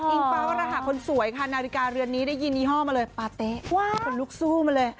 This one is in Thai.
เป้ารหะคนสวยค่ะนาฬิกาเรือนนี้ได้ยินยี่ห้อมาเลยปาเต๊ะขนลุกสู้มาเลย